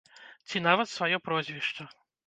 Ці нават сваё прозвішча.